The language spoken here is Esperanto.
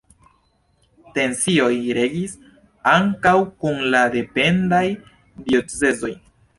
Tensioj regis ankaŭ kun la dependaj diocezoj.